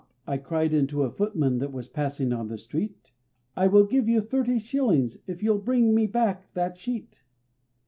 I cried unto a footman that was passing on the street, "I will give you thirty shillings if you'll bring me back that sheet."